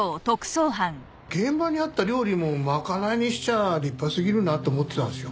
現場にあった料理も賄いにしちゃ立派すぎるなって思ってたんですよ。